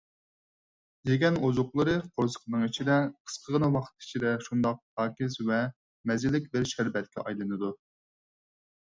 يېگەن ئوزۇقلىرى قورسىقىنىڭ ئىچىدە قىسقىغىنە ۋاقىت ئىچىدە شۇنداق پاكىز ۋە مەززىلىك بىر شەربەتكە ئايلىنىدۇ.